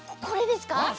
これですか？